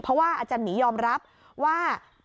เพราะว่าอาจารย์หมียอมรับว่า